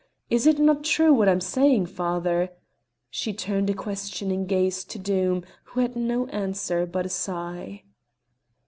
Is it not true, that I am saying, father?" She turned a questioning gaze to Doom, who had no answer but a sigh.